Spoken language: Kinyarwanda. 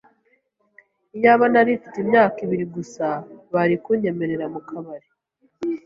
Iyaba narimfite imyaka ibiri gusa, bari kunyemerera mukabari.